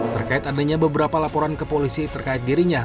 terkait adanya beberapa laporan ke polisi terkait dirinya